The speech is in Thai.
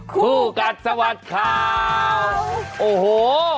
คู่กัดสะบัดข่าวโอ้โห